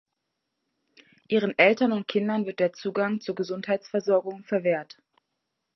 Ihren Eltern und Kindern wird der Zugang zur Gesundheitsversorgung verwehrt.